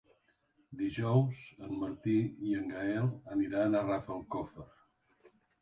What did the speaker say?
Dijous en Martí i en Gaël aniran a Rafelcofer.